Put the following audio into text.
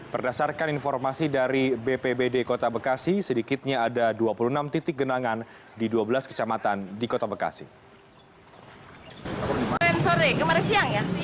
berdasarkan informasi di jalan raya kiai haji nur ali kalimalang kota bekasi memilih untuk mengungsi banjir di samping permukiman warga di jalan raya kiai haji nur ali kalimalang